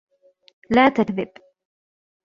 لَا تَكْذِبْ.